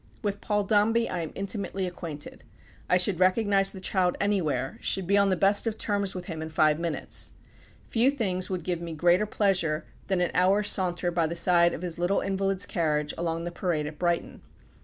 With Paul Dombey I am intimately acquainted. I should recognize the child anywhere, should be on the best of terms with him in five minutes. Few things would give me greater pleasure than an hour's saunter by the side of his little invalid's carriage along the Parade at Brighton.